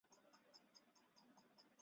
安魂弥撒乐团。